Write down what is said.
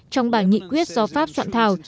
trong bản nghị quyết do pháp soạn thảo